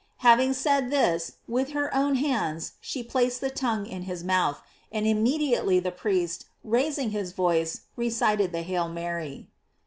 Having said this, with her own hands she plac ed the tongue in his mouth, and immediately the priest, raising his voice, recited the "Hail Mary."